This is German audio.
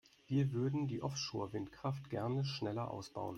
Wir würden die Offshore-Windkraft gerne schneller ausbauen.